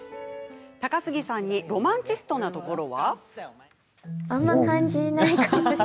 高杉さんにロマンチストなところは？